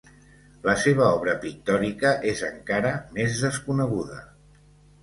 La seva obra pictòrica és encara més desconeguda.